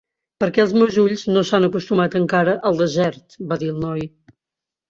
"Perquè els meus ulls no s'han acostumat encara al desert", va dir el noi.